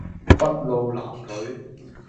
篳路藍縷